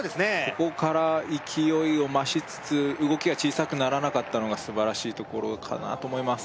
ここから勢いを増しつつ動きが小さくならなかったのが素晴らしいところかなと思います